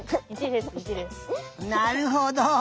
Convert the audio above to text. なるほど。